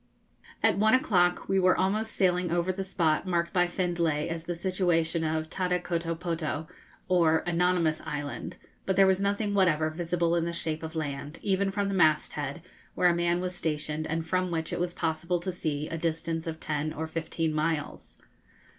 At one o'clock we were almost sailing over the spot marked by Findlay as the situation of Tatakotopoto, or Anonymous Island; but there was nothing whatever visible in the shape of land, even from the masthead, where a man was stationed, and from which it was possible to see a distance of ten or fifteen miles.